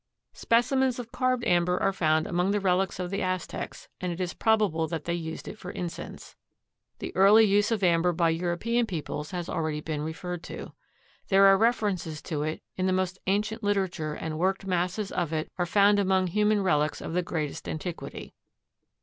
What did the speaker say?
Specimens of carved amber are found among the relics of the Aztecs and it is probable that they used it for incense. The early use of amber by European peoples has already been referred to. There are references to it in the most ancient literature and worked masses of it are found among human relics of the greatest antiquity.